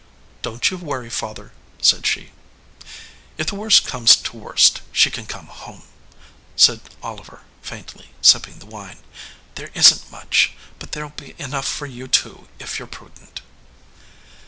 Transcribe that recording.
"Don t you worry, father," said she. "If the worst comes to the worst, she can come home," said Oliver, faintly, sipping the wine. "There isn t much, but there ll be enough for you two if you re prudent."